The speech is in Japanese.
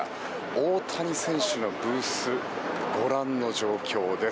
大谷選手のブースご覧の状況です。